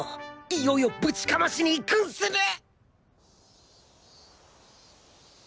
いよいよぶちかましに行くんすね！？